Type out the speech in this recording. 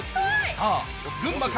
さぁ群馬か？